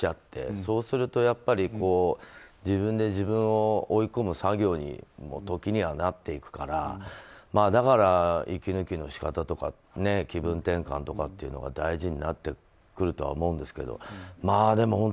そうすると自分で自分を追い込む作業に時にはなっていくからだから、息抜きの仕方とか気分転換とかというのが大事になってくるとは思うんですがでも本当